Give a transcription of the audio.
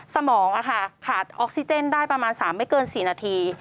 สมองขาดออกซิเจนได้ประมาณ๓ไม่เกิน๔นาที